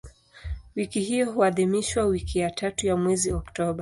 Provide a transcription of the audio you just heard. Wiki hiyo huadhimishwa wiki ya tatu ya mwezi Oktoba.